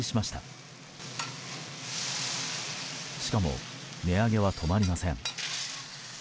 しかも値上げは止まりません。